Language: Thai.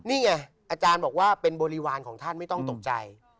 นี่ไงอาจารย์บอกว่าเป็นบริวารของท่านไม่ต้องตกใจ